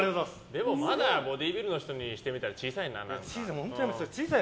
でも、まだボディービルの人にしてみたら本当やめてください。